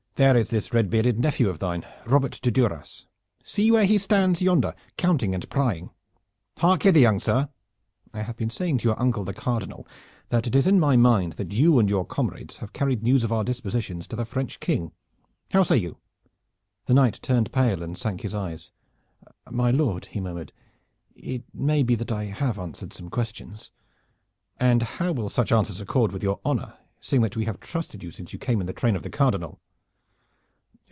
"There is this red bearded nephew of thine, Robert de Duras. See where he stands yonder, counting and prying. Hark hither, young sir! I have been saying to your uncle the Cardinal that it is in my mind that you and your comrades have carried news of our dispositions to the French King. How say you?" The knight turned pale and sank his eyes. "My lord," he murmured, "it may be that I have answered some questions." "And how will such answers accord with your honor, seeing that we have trusted you since you came in the train of the Cardinal?"